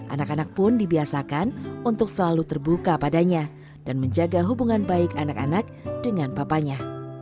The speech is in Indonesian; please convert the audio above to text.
anak anak pun dibiasakan untuk selalu terbuka padanya dan menjaga hubungan baik anak anak dengan papanya